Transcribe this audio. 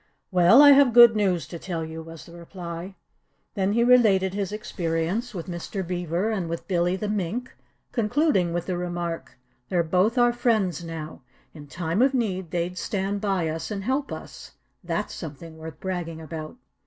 "Well, I have good news to tell you," was the reply. Then he related his experience with Mr. Beaver and with Billy the Mink, concluding with the remark: "They're both our friends now. In time of need they'd stand by us and help us. That's something worth bragging about."